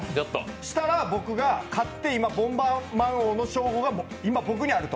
したら、僕が勝って、今のボンバーマン王の称号は僕にあると。